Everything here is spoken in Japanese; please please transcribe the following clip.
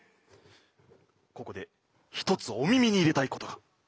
ここで一つお耳に入れたいことが。